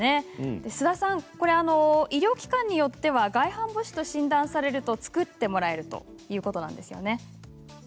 須田さん、これは医療機関によっては外反母趾と診断されると作ってもらえるということなんですよね？